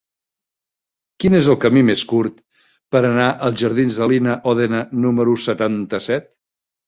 Quin és el camí més curt per anar als jardins de Lina Ódena número setanta-set?